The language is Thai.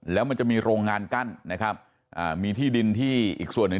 แล้วมันจะมีโรงงานกั้นนะครับอ่ามีที่ดินที่อีกส่วนหนึ่ง